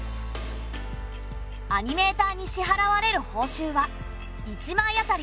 アニメーターに支払われる報酬は１枚あたり